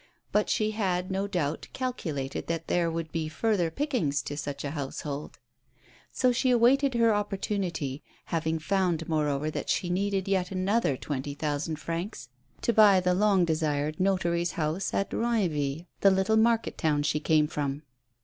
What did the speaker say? But she had, no doubt, calculated that there would be further pickings in such a household. So she awaited her opportunity, having found, moreover, that she needed yet another twenty thousand francs to buy the long desired notary's house at Eoinville, the little market town she came from.